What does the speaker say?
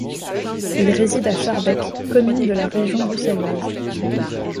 Il réside à Schaerbeek, commune de la région bruxelloise.